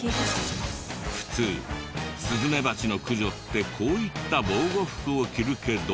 普通スズメバチの駆除ってこういった防護服を着るけど。